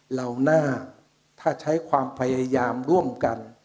เราน่าถ้าใช้ความพยายามร่วมกัน